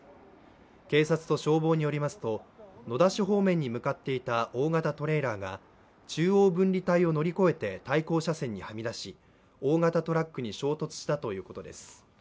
警察と消防によりますと野田市方面に向かっていた大型トレーラーが中央分離帯を乗り越えて対向車線にはみ出し大型トラックに衝突したということです。